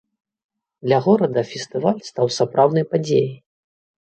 Для горада фестываль стаў сапраўднай падзеяй.